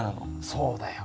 そうだよ。